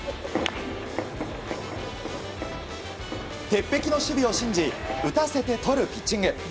鉄壁の守備を信じ打たせてとるピッチング。